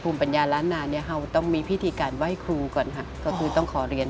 กรูผู้สืบสารล้านนารุ่นแรกแรกรุ่นเลยนะครับผม